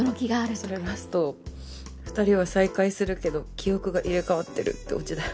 それラスト２人は再会するけど記憶が入れ替わってるってオチだよ。